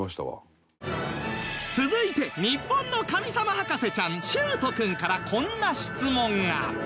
続いて日本の神様博士ちゃん秀斗君からこんな質問が